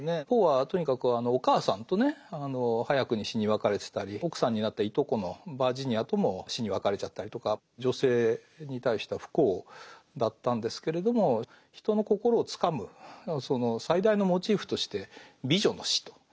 ポーはとにかくお母さんとね早くに死に別れてたり奥さんになったいとこのバージニアとも死に別れちゃったりとか女性に対しては不幸だったんですけれども人の心をつかむその最大のモチーフとして美女の死と。